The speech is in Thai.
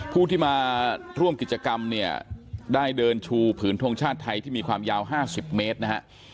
ผู้ที่มาร่วมกิจกรรมเนี่ยได้เดินชูผืนทงชาติไทยที่มีความยาว๕๐เมตรนะฮะ